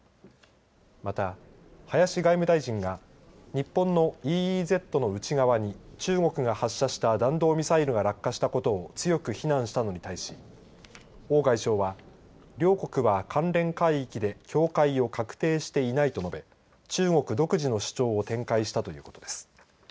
また、林外務大臣が日本のＥＥＺの内側に中国が発射した弾道ミサイルが落下したことを強く非難したのに対し王外相は両国は関連海域で境界を画定していないと述べ中国独自の主張を展開したということです。